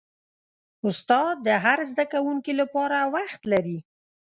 استاد د هر زده کوونکي لپاره وخت لري.